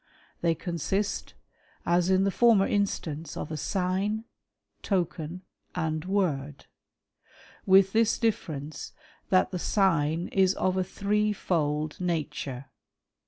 They consist, as in the " former instance, of a sign^ token, and word ; with this difference " that the sign is of a three fold nature.